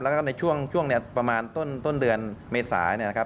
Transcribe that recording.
แล้วก็ในช่วงเนี่ยประมาณต้นเดือนเมษาเนี่ยนะครับ